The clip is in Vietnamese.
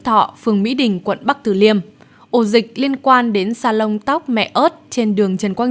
thọ phường mỹ đình quận bắc tử liêm ổ dịch liên quan đến salon tóc mẹ ớt trên đường trần quang